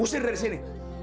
usir dari sini